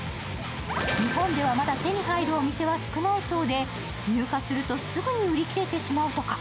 日本ではまだ手に入るお店は少ないそうで、入荷するとすぐに売り切れてしまうとか。